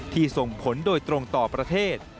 ส่งผลโดยตรงต่อประเทศ